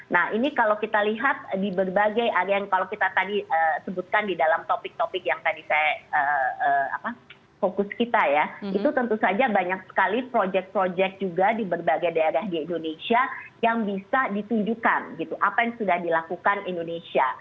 nah ini kalau kita lihat di berbagai area yang kalau kita tadi sebutkan di dalam topik topik yang tadi saya fokus kita ya itu tentu saja banyak sekali project project juga di berbagai daerah di indonesia yang bisa ditunjukkan gitu apa yang sudah dilakukan indonesia